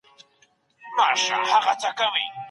تاسو باید هره اونۍ نوي څه زده کړئ.